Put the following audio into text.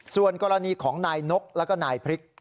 ส่วนกรณีของนายนกแล้วก็นายพริก